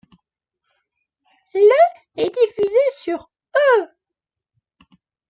Le est diffusé sur E!